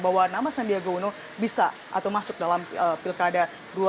bahwa nama sandiaga uno bisa atau masuk dalam pilkada dua ribu dua puluh